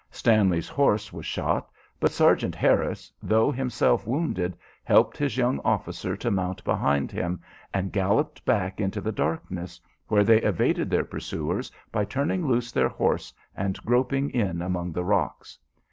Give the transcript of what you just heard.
Stanley's horse was shot; but Sergeant Harris, though himself wounded, helped his young officer to mount behind him, and galloped back into the darkness, where they evaded their pursuers by turning loose their horse and groping in among the rocks.